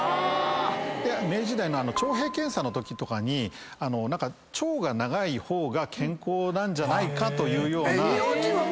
明治時代の徴兵検査のときとかに腸が長い方が健康なんじゃないかというような。